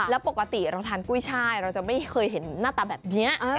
แล้วปกติเราทานกุ้ยช่ายเราจะไม่เคยเห็นหน้าตาแบบนี้